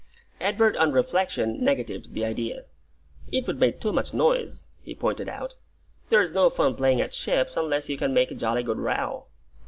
Edward on reflection negatived the idea. "It would make too much noise," he pointed out. "There's no fun playing at ships, unless you can make a jolly good row."